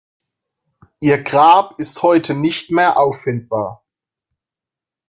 Ihr Grab ist heute nicht mehr auffindbar.